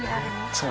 そう。